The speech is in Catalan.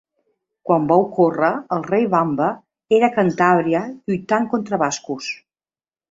Quan va ocórrer, el rei Vamba era a Cantàbria lluitant contra bascos.